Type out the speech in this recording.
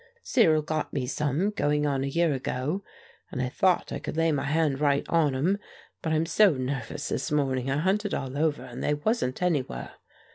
"Cyril got me some going on a year ago, and I thought I could lay my hand right on 'em, but I'm so nervous this morning I hunted all over, and they wasn't anywhere.